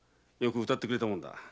よく歌ってくれたもんだ。